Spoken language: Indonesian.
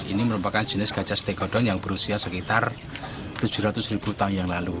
ini merupakan jenis gajah stegodon yang berusia sekitar tujuh ratus ribu tahun yang lalu